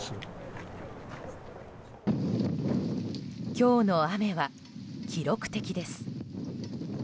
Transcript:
今日の雨は記録的です。